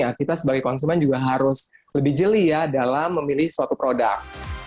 ya kita sebagai konsumen juga harus lebih jeli ya dalam memilih suatu produk